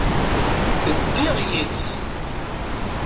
Ddiɣ yid-s.